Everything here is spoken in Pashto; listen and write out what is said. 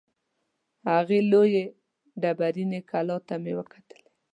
هغې لویې ډبریني کلا ته مې وکتلې.